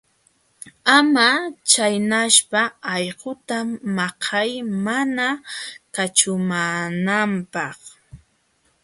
Ama chaynaspa allquyta maqay mana kaćhumaananpaq.